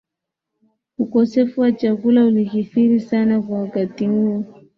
Ukosefu wa chakula ulikithiri sana kwa wakati huo